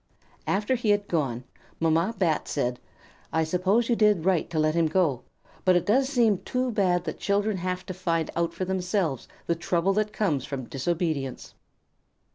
After he had gone, Mamma Bat said, "I suppose you did right to let him go, but it seems too bad that children have to find out for themselves the trouble that comes from disobedience."